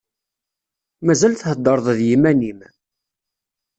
Mazal theddreḍ d yiman-im?